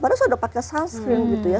padahal saya sudah pakai sunscreen gitu ya